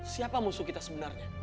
siapa musuh kita sebenarnya